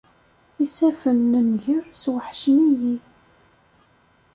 Isaffen n nnger sweḥcen-iyi.